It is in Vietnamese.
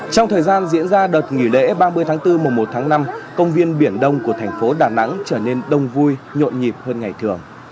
trong thời gian diễn ra đợt nghỉ lễ ba mươi tháng bốn mùa một tháng năm công viên biển đông của thành phố đà nẵng trở nên đông vui nhộn nhịp hơn ngày thường